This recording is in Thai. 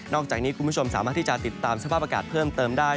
อกจากนี้คุณผู้ชมสามารถที่จะติดตามสภาพอากาศเพิ่มเติมได้